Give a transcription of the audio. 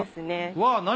うわ何？